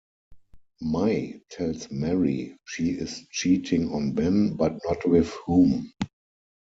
May tells Mary she is cheating on Ben, but not with whom.